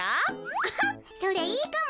アハそれいいかも。